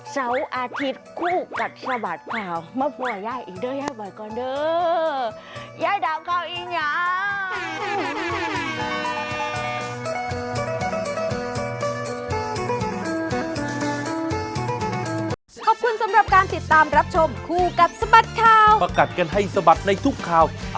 เสาร์อาทิตย์คู่กับชะบัดข่าว